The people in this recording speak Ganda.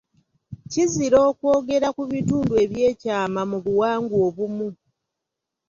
Kizira okwogera ku bitundu eby'ekyama mu buwangwa obumu.